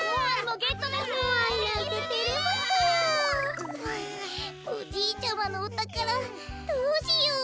ううおじいちゃまのおたからどうしよう。